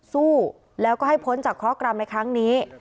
สู้แล้วก็ให้พ้นจากเคราะหกรรมในครั้งนี้